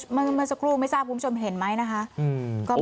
เมื่อสักครู่ไม่ทราบคุณผู้ชมเห็นไหมนะคะ